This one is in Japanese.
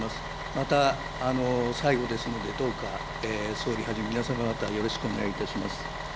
また最後ですので、どうか総理はじめ、皆様方、よろしくお願いいたします。